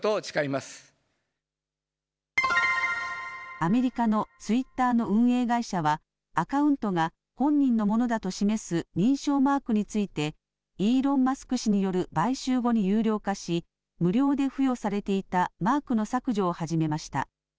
アメリカのツイッターの運営会社はアカウントが本人のものだと示す認証マークについてイーロン・マスク氏による買収後に有料化し無料で付与されていたマークの削除を始めました。